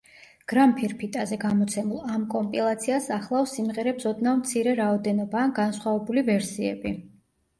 გრამფირფიტაზე გამოცემულ ამ კომპილაციას ახლავს სიმღერებს ოდნავ მცირე რაოდენობა ან განსხვავებული ვერსიები.